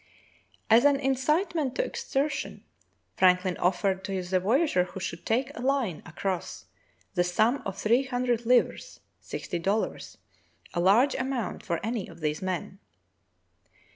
As an incitement to exertion, Franklin offered to the voyageur who should take a line across the sum of three hundred livres (sixty dol lars), a large amount for any of these men.